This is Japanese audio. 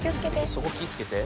そこ気ぃつけて。